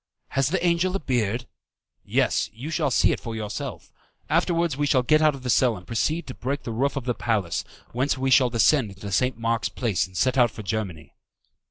"Has the angel a beard?" "Yes, you shall see it for yourself. Afterwards we will get out of the cell and proceed to break the roof of the palace, whence we shall descend into St. Mark's Place and set out for Germany."